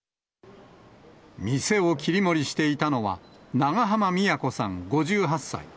店を切り盛りしていたのは、長濱美也子さん５８歳。